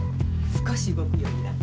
少し動くようになった。